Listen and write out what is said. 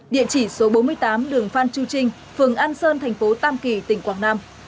địa chỉ số bốn mươi tám đường phan chu trinh phường an sơn thành phố tam kỳ tỉnh quảng nam